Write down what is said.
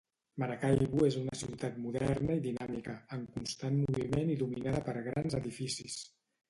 Maracaibo és una ciutat moderna i dinàmica, en constant moviment i dominada per grans edificis.